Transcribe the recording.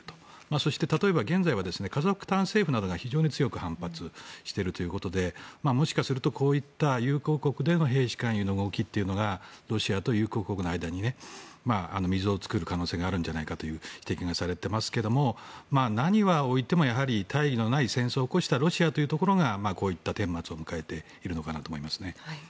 そして例えば現在はカザフスタン政府なんかが非常に強く反発しているということでもしかするとこういった友好国での兵士勧誘の動きというのがロシアと友好国の間に溝を作る可能性があるんじゃないかという指摘がされていますが何は置いてもやはり大義のない戦争を起こしたロシアというところがこういったてん末を迎えているのかなと思いますね。